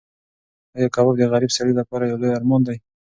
ایا کباب د غریب سړي لپاره یو لوی ارمان دی؟